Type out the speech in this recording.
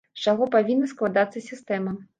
З чаго павінна складацца сістэма?